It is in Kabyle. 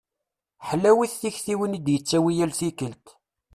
Ḥlawit tiktiwin i d-yettawi yal tikkelt.